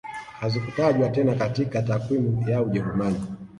Hazikutajwa tena katika takwimu ya Ujerumani